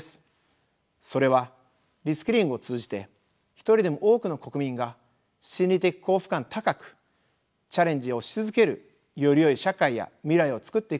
それはリスキリングを通じて一人でも多くの国民が心理的幸福感高くチャレンジをし続けるよりよい社会や未来をつくっていくことです。